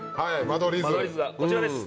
間取り図はこちらです。